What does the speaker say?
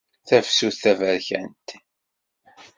Tafsut taberkant.